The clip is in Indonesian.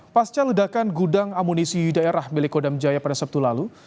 pasca ledakan gudang amunisi daerah milik kodam jaya pada sabtu lalu